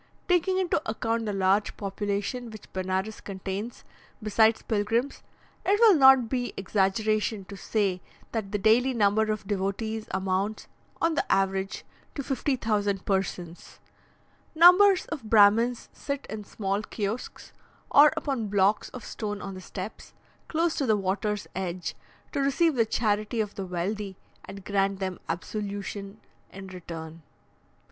Taking into account the large population which Benares contains, besides pilgrims, it will not be exaggeration to say that the daily number of devotees amounts, on the average, to 50,000 persons. Numbers of Brahmins sit in small kiosks, or upon blocks of stone on the steps, close to the water's edge, to receive the charity of the wealthy, and grant them absolution in return.